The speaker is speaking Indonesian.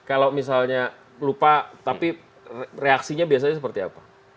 kalau misalnya lupa tapi reaksinya biasanya seperti apa